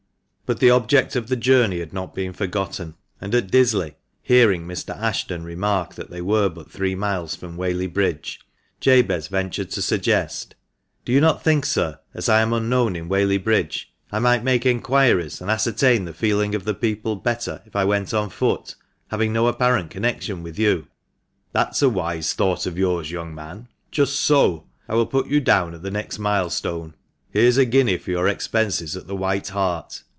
But the object of their journey had not been forgotten ; and at Disley, hearing Mr. Ashton remark that they were but three miles from Whaley Bridge, Jabez ventured to suggest — ''Do you not think, sir, as I am unknown in Whaley Bridge, I might make enquiries, and ascertain the feeling of the people THE MANCHESTER MAN. 237 better if I went on foot, having no apparent connection with you?" " That is a wise thought of yours, young man. Just so. I will put you down at the next milestone. Here is a guinea for your expenses at the 'White Hart.'